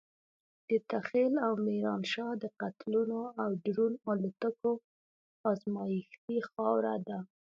دته خېل او ميرانشاه د قتلونو او ډرون الوتکو ازمايښتي خاوره ده.